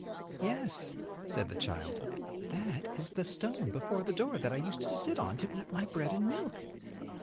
"Yes," said the child, "that is the stone before the door that I used to sit on to eat my bread and milk."